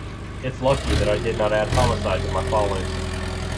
It’s lucky that I did not add homicide to my follies.